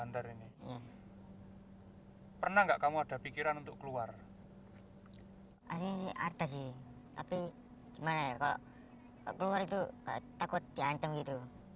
tapi gimana ya kalau keluar itu takut diancam gitu